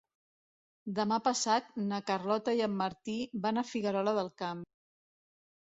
Demà passat na Carlota i en Martí van a Figuerola del Camp.